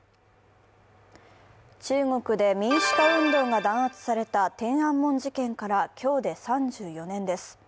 中国で民主化運動が弾圧された天安門事件から今日で３４年です。